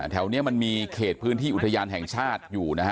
แถวนี้มันมีเขตพื้นที่อุทยานแห่งชาติอยู่นะฮะ